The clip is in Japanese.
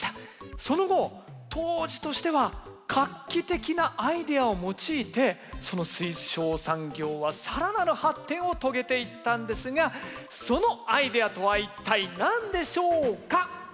その後当時としては画期的なアイデアを用いてその水晶産業はさらなる発展を遂げていったんですがそのアイデアとは一体何でしょうか？